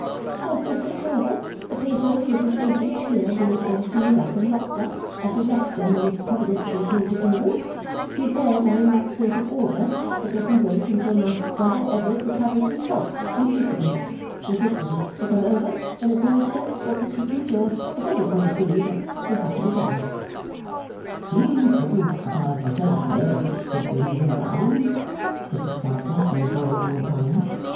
Fortunately, however, the papers with his agents here being all sealed up and locked up, as he left them when he providentially came to England, the affairs are in that state of order that they can wait until my brother Edward recovers his health in Sicily, sufficiently to come over, and administer, or execute, or whatever it may be that will have to be done.' 'He couldn't have a better nurse to bring him round,' Mr Sparkler made bold to opine.